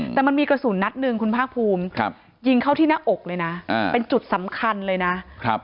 แต่มันมีกระสุนนัดหนึ่งคุณภาคภูมิยิงเข้าที่หน้าอกเลยนะเป็นจุดสำคัญเลยนะครับ